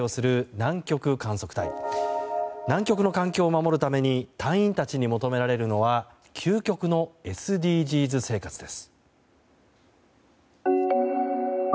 南極の環境を守るために隊員たちに求められるのは究極のＳＤＧｓ生活です。